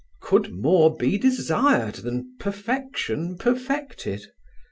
Could more be desired than perfection perfected?